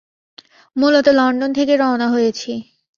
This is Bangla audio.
মূলত লন্ডন থেকে রওনা হয়েছি।